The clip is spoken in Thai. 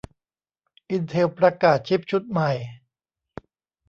อินเทลประกาศชิปชุดใหม่